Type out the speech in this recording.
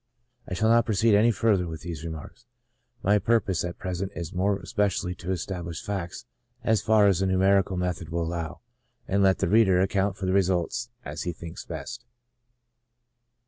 I shall not proceed any further with these remarks ; my purpose at present is more especially to establish facts as far as a numerical method will allow, and let the reader account for the results as he thinks best.